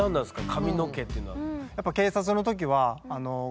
「髪の毛」っていうのは。